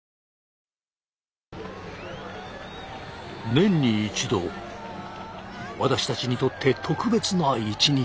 年に一度私たちにとって特別な一日。